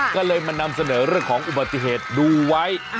ก็เลยมานำเสนอเรื่องของอุบัติเหตุดูไว้